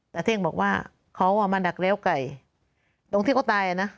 เท่งบอกว่าเขามาดักเลี้ยวไก่ตรงที่เขาตายอ่ะนะ